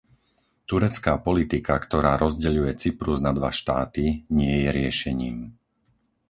Turecká politika, ktorá rozdeľuje Cyprus na dva štáty, nie je riešením.